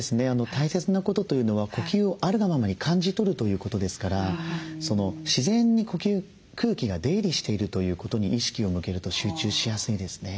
大切なことというのは呼吸をあるがままに感じ取るということですから自然に呼吸空気が出入りしているということに意識を向けると集中しやすいですね。